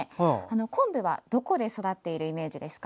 昆布はどこで育っているイメージですか？